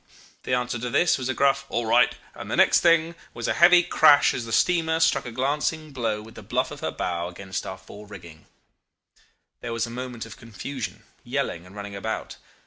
The answer to this was a gruff 'All right,' and the next thing was a heavy crash as the steamer struck a glancing blow with the bluff of her bow about our fore rigging. There was a moment of confusion, yelling, and running about.